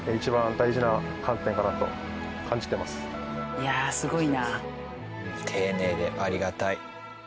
いやあすごいな。